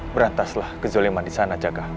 berantaslah kezoliman di sana jaga